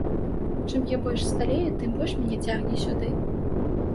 Чым я больш сталею, тым больш мяне цягне сюды.